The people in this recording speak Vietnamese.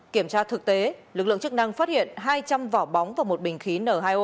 kiểm tra thực tế lực lượng chức năng phát hiện hai trăm linh vỏ bóng và một bình khí n hai o